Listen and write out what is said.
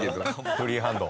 フリーハンド。